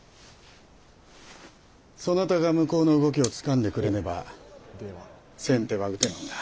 そなたが向こうの動きをつかんでくれねば先手は打てなんだ。